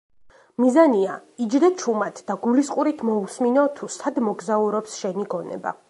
მიზანია, იჯდე ჩუმად და გულისყურით მოუსმინო, თუ სად მოგზაურობს შენი გონება.